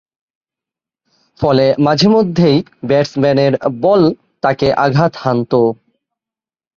ফলে মাঝে-মধ্যেই ব্যাটসম্যানের বল তাকে আঘাত হানতো।